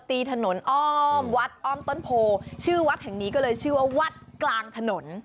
ถนนอ้อมวัดอ้อมต้นโพชื่อวัดแห่งนี้ก็เลยชื่อว่าวัดกลางถนน